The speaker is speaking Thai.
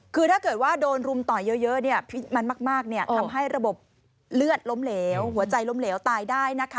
คือถ้าเกิดว่าโดนรุมต่อยเยอะมันมากทำให้ระบบเลือดล้มเหลวหัวใจล้มเหลวตายได้นะคะ